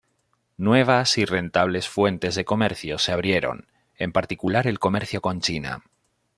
Nuevas y rentables fuentes de comercio se abrieron, en particular el comercio con China.